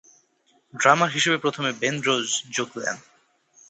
ড্রামার হিসেবে প্রথমে Ben Rose যোগ দেন।